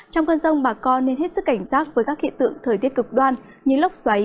trong cơn rông bà con nên hết sức cảnh giác với các hiện tượng thời tiết cực đoan như lốc xoáy